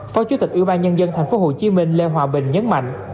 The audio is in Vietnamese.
phó chủ tịch ủy ban nhân dân tp hcm lê hòa bình nhấn mạnh